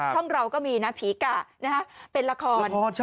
ช่องเราก็มีนะผีกะเป็นละคร